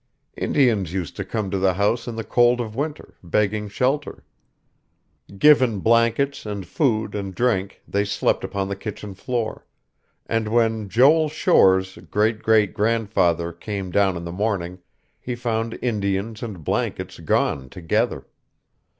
Indians used to come to the house in the cold of winter, begging shelter. Given blankets, and food, and drink, they slept upon the kitchen floor; and when Joel Shore's great great grandfather came down in the morning, he found Indians and blankets gone together.